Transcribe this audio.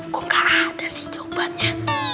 kok gak ada sih jawabannya